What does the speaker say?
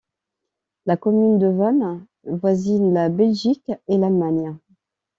La commune de Vaals voisine la Belgique et l'Allemagne.